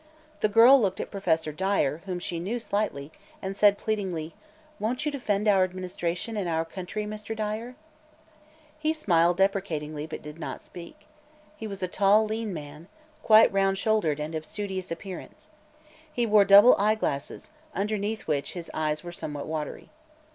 The girl looked at Professor Dyer, whom she knew slightly, and said pleadingly: "Won't you defend our administration and our country, Mr. Dyer?" He smiled deprecatingly but did not speak. He was a tall, lean man, quite round shouldered and of studious appearance. He wore double eyeglasses, underneath which his eyes were somewhat watery.